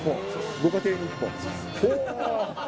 ご家庭に１本？ほー。